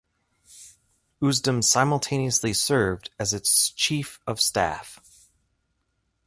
Usedom simultaneously served as its chief of staff.